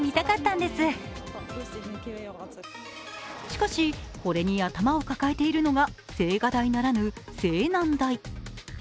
しかし、これに頭を抱えているのが青瓦台ならぬ青南台。